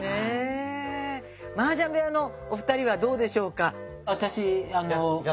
マージャン部屋のお二人はどうでしょうか？